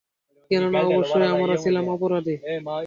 কেননা অবশ্যই আমরা ছিলাম অপরাধী।